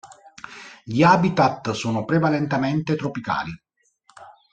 Gli habitat sono prevalentemente tropicali.